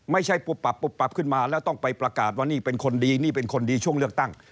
ปุ๊บปับปุ๊บปับขึ้นมาแล้วต้องไปประกาศว่านี่เป็นคนดีนี่เป็นคนดีช่วงเลือกตั้ง